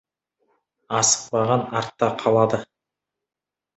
Асықпаған артта қалады.